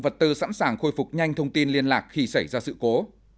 vật tư sẵn sàng khôi phục nhanh thông tin liên lạc khi xảy ra sự cố